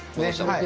はい。